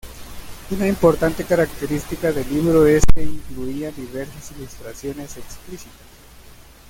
Una importante característica del libro es que incluía diversas ilustraciones explícitas.